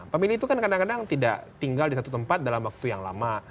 pemilih itu kan kadang kadang tidak tinggal di satu tempat dalam waktu yang lama